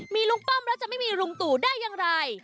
มีลุงป้อมแล้วจะไม่มีลุงตู่ได้อย่างไร